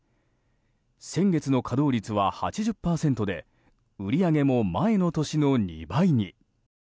先月の稼働率は８０％で売り上げも前の年の２倍に。